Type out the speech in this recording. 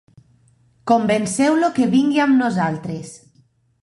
Convenceu-lo que vingui amb nosaltres.